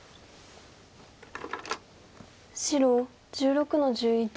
白１６の十一。